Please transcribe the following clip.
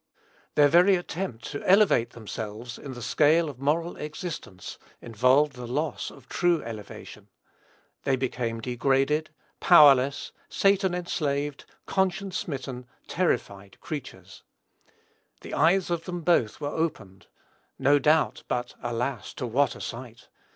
Their very attempt to elevate themselves in the scale of moral existence involved the loss of true elevation. They became degraded, powerless, Satan enslaved, conscience smitten, terrified creatures. "The eyes of them both were opened," no doubt; but alas! to what a sight!